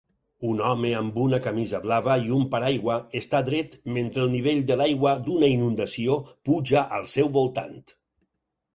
Un home amb una camisa blava i un paraigua està dret mentre el nivell de l'aigua d'una inundació puja al seu voltant.